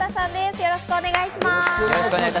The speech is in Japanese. よろしくお願いします。